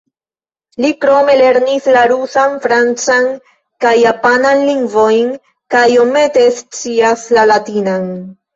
Li krome lernis la rusan, francan kaj japanan lingvojn, kaj iomete scias la latinan.